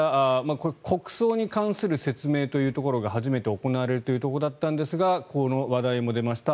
これは国葬に関する説明というところが初めて行われるというところだったんですがこの話題も出ました。